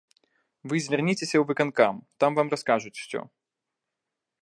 Вы звярніцеся ў выканкам, там вам раскажуць усё.